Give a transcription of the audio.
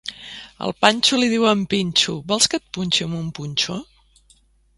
El Panxo li diu al Pinxo: vols que et punxe amb un punxó?